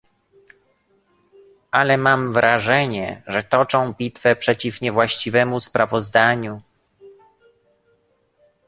Ale mam wrażenie, że toczą bitwę przeciw niewłaściwemu sprawozdaniu